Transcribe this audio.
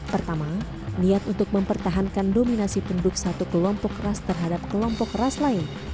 pertama niat untuk mempertahankan dominasi penduduk satu kelompok keras terhadap kelompok ras lain